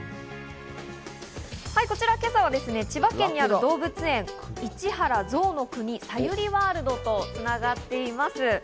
こちら今朝は千葉県にある動物園、市原ぞうの国・サユリワールドと繋がっております。